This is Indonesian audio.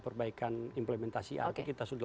perbaikan implementasi artinya kita sudah